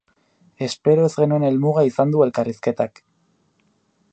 Espero ez genuen helmuga izan du elkarrizketak.